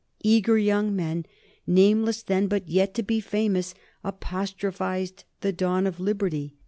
Eager young men, nameless then but yet to be famous, apostrophised the dawn of liberty.